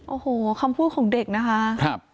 โอ้โหคำพูดของเด็กนะคะ